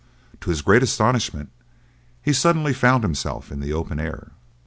To his great astonishment, he suddenly found himself in the open air.